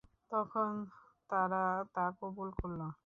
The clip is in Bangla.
তখন তারা তা কবুল করল।